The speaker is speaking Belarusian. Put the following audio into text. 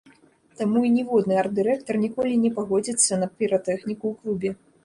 Таму і ніводны арт-дырэктар ніколі не пагодзіцца на піратэхніку ў клубе.